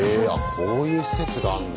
こういう施設があるんだ。